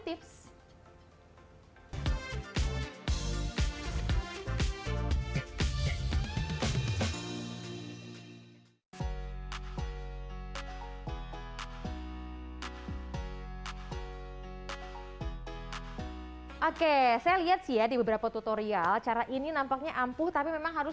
hai hai hai oke saya lihat siadi beberapa tutorial cara ini nampaknya ampuh tapi memang harus